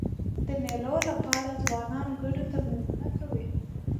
د مېلو له پاره ځوانان ګډو تمرینونه کوي.